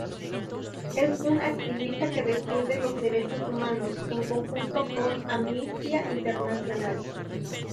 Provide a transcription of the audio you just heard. Es un activista que defiende los derechos humanos, en conjunto con Amnistía Internacional.